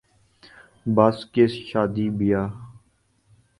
بس کس شادی بیاہ